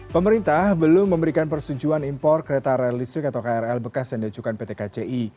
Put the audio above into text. pemerintah belum memberikan persetujuan impor kereta realistik atau krl bekas yang dicukan pt kci